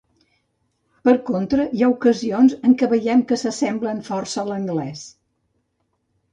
Per contra, hi ha ocasions en què veiem que s'assemblen força a l'anglès.